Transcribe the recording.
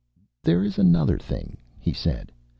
"There is another thing," he said.